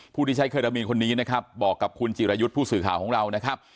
ผู้ที่ใช้เคอรมีคนนี้นะครับบอกกับคุณจิรยุทธ์ผู้สื่อข่าวของเรานะครับ